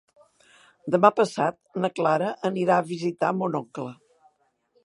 Demà passat na Clara anirà a visitar mon oncle.